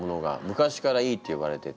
昔からいいって言われてて。